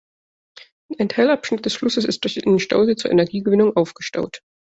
Ein Teilabschnitt des Flusses ist durch einen Stausee zur Energiegewinnung aufgestaut.